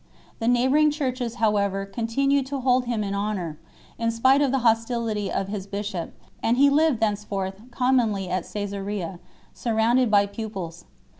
The neighbouring Churches however con tinued to hold him in honour, in spite of the hostility of his bishop, and he lived thenceforward commonly at Csesarea, surrounded by pupils.